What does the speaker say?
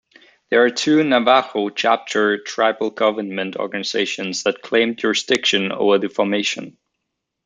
There are two Navajo chapter tribal government organizations that claim jurisdiction over the formation.